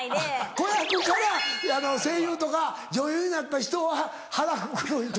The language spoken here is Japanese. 子役から声優とか女優になった人は腹黒いとか？